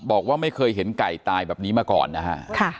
บอกว่าไม่เคยเห็นไก่ตายแบบนี้มาก่อนนะฮะ